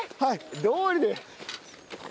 どうりで。